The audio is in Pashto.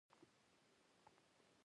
ښه ملګری غوره کړه.